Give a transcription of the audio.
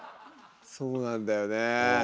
そうなんだよねえ。